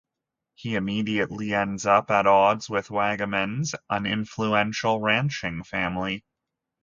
He immediately ends up at odds with the Waggomans, an influential ranching family.